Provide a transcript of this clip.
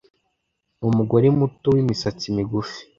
ni umugore muto w'imisatsi migufi